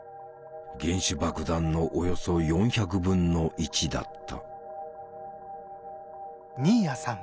原子爆弾のおよそ４００分の１だった。